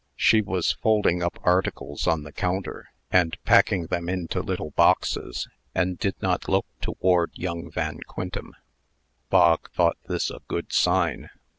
She was folding up articles on the counter, and packing them into little boxes, and did not look toward young Van Quintem. Bog thought this a good sign.